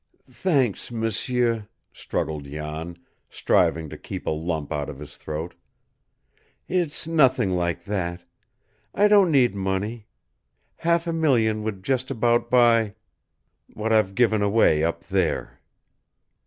"Thanks, m'sieur," struggled Jan, striving to keep a lump out of his throat. "It's nothing like that. I don't need money. Half a million would just about buy what I've given away up there."